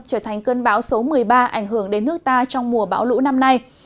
trở thành cơn bão số một mươi ba ảnh hưởng đến nước ta trong mùa bão lũ năm nay